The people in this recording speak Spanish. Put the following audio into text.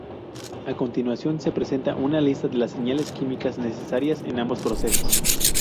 A continuación se presenta una lista de las señales químicas necesarias en ambos procesos.